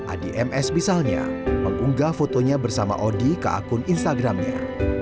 adi ms misalnya mengunggah fotonya bersama odi ke akun instagramnya